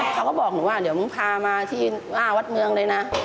เขาก็บอกเดี๋ยวพามาที่ข้ามวัดเมืองเลยนะ